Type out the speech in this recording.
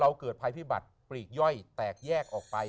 เกิดภัยพิบัติปลีกย่อยแตกแยกออกไป